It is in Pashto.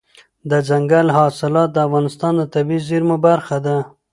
دځنګل حاصلات د افغانستان د طبیعي زیرمو برخه ده.